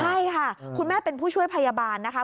ใช่ค่ะคุณแม่เป็นผู้ช่วยพยาบาลนะคะ